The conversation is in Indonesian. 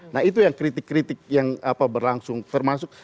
nah itu yang kritik kritik yang berlangsung termasuk